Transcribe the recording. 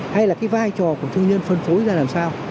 hay là cái vai trò của thương nhân phân phối ra làm sao